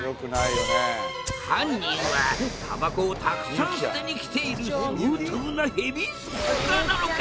犯人はたばこをたくさん捨てに来ている相当なヘビースモーカーなのか？